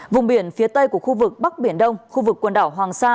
vùng biển phía tây của khu vực bắc biển đông khu vực quần đảo hoàng sa